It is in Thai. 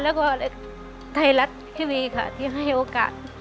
แล้วก็ไทยรัฐทีวีค่ะที่ให้โอกาส